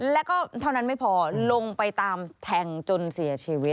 แล้วก็เท่านั้นไม่พอลงไปตามแทงจนเสียชีวิต